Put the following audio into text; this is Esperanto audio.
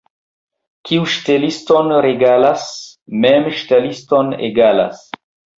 Kiu ŝteliston regalas, mem ŝteliston egalas.